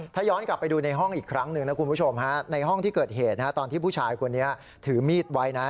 ถ้าย้อนกลับไปดูในห้องอีกครั้งหนึ่งนะคุณผู้ชมฮะในห้องที่เกิดเหตุตอนที่ผู้ชายคนนี้ถือมีดไว้นะ